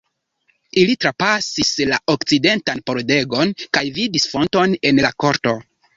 Ili trapasis la okcidentan pordegon kaj vidis fonton en la korto.